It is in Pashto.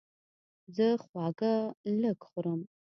زه خواږه لږ خورم.